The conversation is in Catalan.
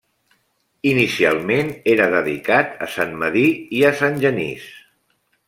Inicialment era dedicat a Sant Medir i a Sant Genís.